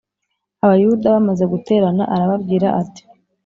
Abayuda bamaze guterana arababwira ati.